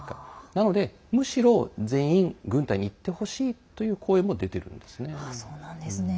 なので、むしろ全員軍隊に行ってほしいという声も出てるんですね。